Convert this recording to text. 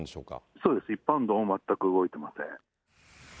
そうです、一般道も全く動いてません。